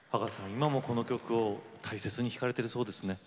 今もこの曲を大切に弾かれてるそうですね。